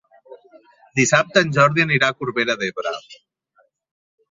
Dissabte en Jordi anirà a Corbera d'Ebre.